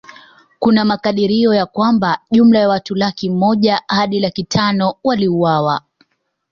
Kuna makadirio ya kwamba jumla ya watu laki moja hadi laki tano waliuawa